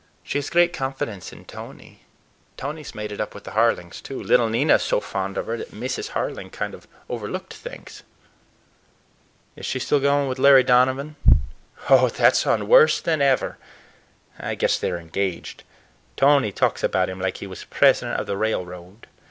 She has great confidence in Tony. Tony's made it up with the Harlings, too. Little Nina is so fond of her that Mrs. Harling kind of overlooked things." "Is she still going with Larry Donovan?" "Oh, that's on, worse than ever! I guess they're engaged. Tony talks about him like he was president of the railroad.